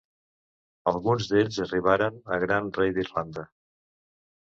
Alguns d'ells arribaren a Gran rei d'Irlanda.